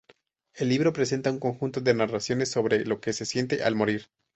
El libro presenta un conjunto de narraciones sobre lo que se siente al morir.